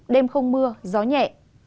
đêm không mưa gió nhẹ